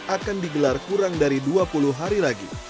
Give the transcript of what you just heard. akan digelar kurang dari dua puluh hari lagi